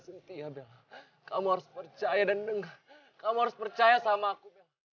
bella kamu harus percaya dan dengar kamu harus percaya sama aku